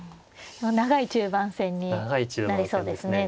長い中盤戦になりそうですね